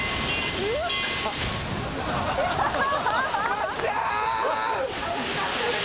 まっちゃん。